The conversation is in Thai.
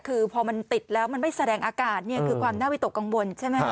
คือพอมันติดแล้วมันไม่แสดงอากาศเนี่ยคือความน่าวิตกกังวลใช่ไหม